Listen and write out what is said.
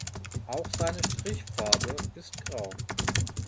Auch seine Strichfarbe ist grau.